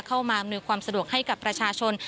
เข้ามาเมื่อความสะดวกให้กับประชาชน